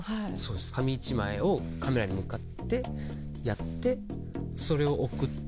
紙１枚をカメラに向かってやってそれを送って。